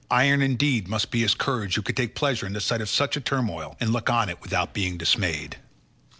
Iron indeed must be his courage who could take pleasure in the sight of such a turmoil, and look on it without being dismayed.